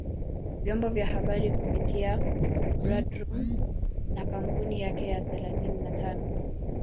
vyombo vya habari kupitia Bradroom na kampuni yake ya thelathini na tano